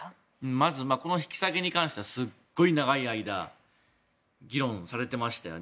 まずこの引き下げに関してはすごい長い間議論されていましたよね。